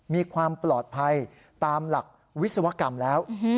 มีความปลอดภัยตามหลักวิศวกรรมแล้ว